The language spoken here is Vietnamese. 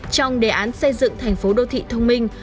trong đề án xây dựng thành phố đô thị thông minh